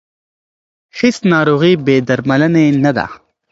هیڅ ناروغي بې درملنې نه ده.